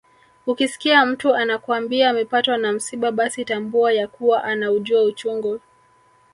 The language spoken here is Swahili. Ukisikia mtu anakwambia amepatwa na msiba basi tambua ya kuwa anaujua uchungu